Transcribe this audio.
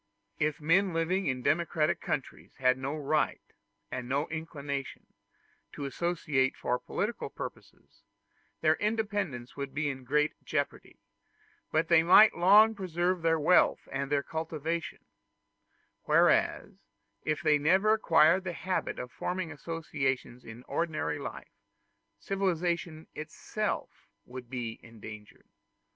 If men living in democratic countries had no right and no inclination to associate for political purposes, their independence would be in great jeopardy; but they might long preserve their wealth and their cultivation: whereas if they never acquired the habit of forming associations in ordinary life, civilization itself would be endangered.